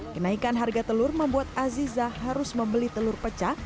kenaikan harga telur membuat aziza harus membeli telur pecah